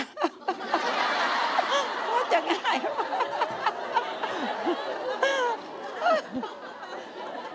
ก็จะง่ายมาก